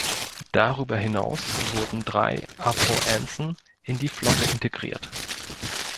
Darüber hinaus wurden drei Avro Anson in die Flotte integriert.